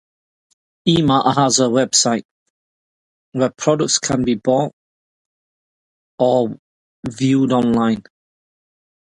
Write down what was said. E-mart has a website, where products can be bought or viewed online.